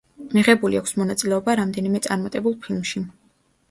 მიღებული აქვს მონაწილეობა რამდენიმე წარმატებულ ფილმში.